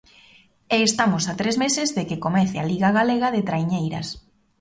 E estamos a tres meses de que comece a Liga galega de traiñeiras.